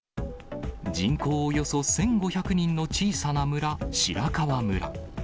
人口およそ１５００人の小さな村、白川村。